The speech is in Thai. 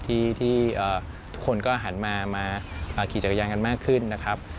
ที่ทุกคนก็หันมาขี่จักรยานกันมากขึ้นนะครับ